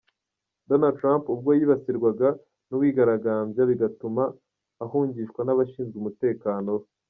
Donald Trump ubwo yibasirwaga n'uwigaragambya bigatuma ahungishwa n'abashinzwe umutekano we.